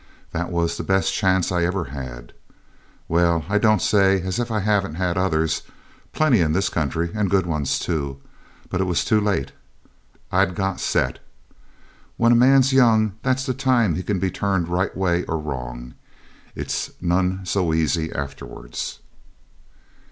That was the best chance I ever had. Well, I don't say as I haven't had others plenty in this country, and good ones too; but it was too late I'd got set. When a man's young, that's the time he can be turned right way or wrong. It's none so easy afterwards.'